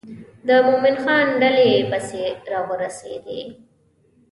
د مومن خان ډلې پسې را ورسېدې.